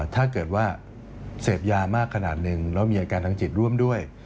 ถ้าเกิดว่าเสพยามากขนาดหนึ่งแล้วมีอาการทางจิตร่วมด้วย